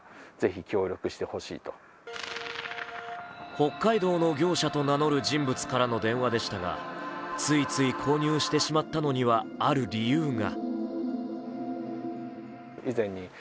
北海道の業者と名乗る人物からの電話でしたがついつい購入してしまったのにはある理由が。